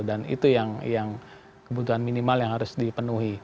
dan itu yang kebutuhan minimal yang harus dipenuhi